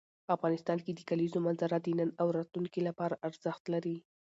افغانستان کې د کلیزو منظره د نن او راتلونکي لپاره ارزښت لري.